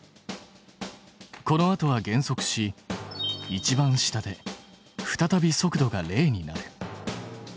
このあとは減速しいちばん下で再び速度が０になる。